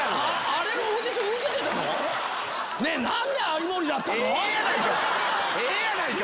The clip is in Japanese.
あれのオーディション受けてたの⁉ええやないか！